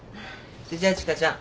それじゃ千賀ちゃん